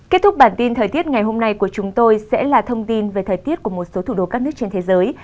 kết thúc bản tin thời tiết ngày hôm nay của chúng tôi sẽ là thông tin về thời tiết của một số thủ đô các nước trên thế giới